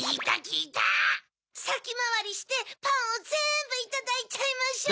さきまわりしてパンをぜんぶいただいちゃいましょう！